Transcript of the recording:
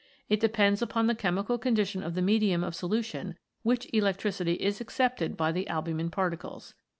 It depends upon the chemical con dition of the medium of solution which electricity is accepted by the albumin particles.